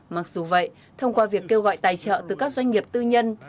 mặc dù vậy thông qua việc kêu gọi tài trợ từ các doanh nghiệp tư nhân